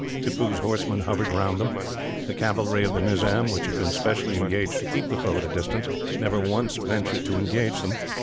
Tippoo's horsemen hovered round them. The cavalry of the Nizam, which had been specially engaged to keep the foe at a distance, never once ventured to engage them.